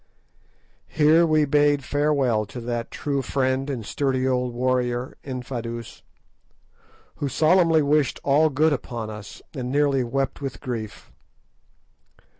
Here we bade farewell to that true friend and sturdy old warrior, Infadoos, who solemnly wished all good upon us, and nearly wept with grief.